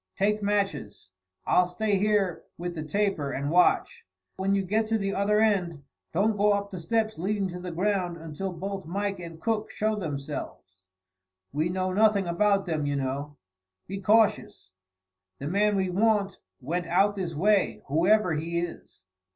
Take matches. I'll stay here with the taper, and watch. When you get to the other end, don't go up the steps leading to the ground until both Mike and Cook show themselves. We know nothing about them, you know. Be cautious. The man we want went out this way, whoever he is."